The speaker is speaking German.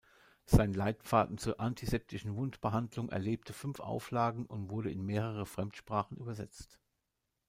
Sein Leitfaden zur antiseptischen Wundbehandlung erlebte fünf Auflagen und wurde in mehrere Fremdsprachen übersetzt.